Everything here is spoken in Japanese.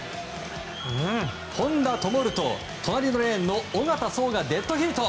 本多灯と隣のレーンの小方颯がデッドヒート！